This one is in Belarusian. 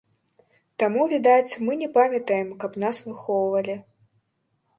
Таму, відаць, мы не памятаем, каб нас выхоўвалі.